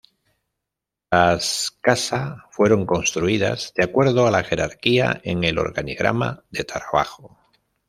Las casa fueron construidas de acuerdo a la jerarquía en el organigrama de trabajo.